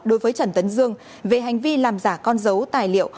đối với trần tấn dương về hành vi làm giả con dấu tài liệu